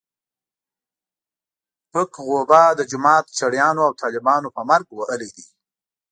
پک غوبه د جومات چړیانو او طالبانو په مرګ وهلی دی.